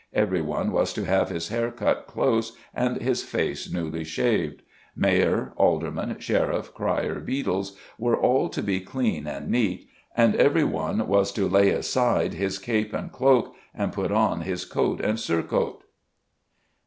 Every one was to have his hair cut close and his face newly shaved. Mayor, aldermen, sheriff, cryer, beadles, were all to be clean and neat, and every one was to lay aside his cape and cloak, and put on his coat and surcoat."